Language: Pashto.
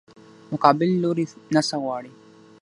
مقابل لوري نه څه غواړې؟